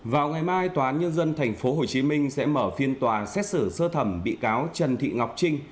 vào ngày mai tòa án nhân dân tp hcm sẽ mở phiên tòa xét xử sơ thẩm bị cáo trần thị ngọc trinh